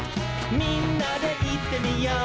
「みんなでいってみよう」